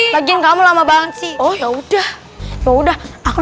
lagi kamu lama banget sih oh ya udah ya udah aku